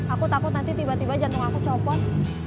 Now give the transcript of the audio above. aku takut nanti tiba tiba jantung aku copot